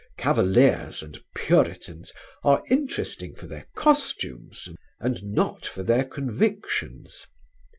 Cavaliers and Puritans are interesting for their costumes and not for their convictions....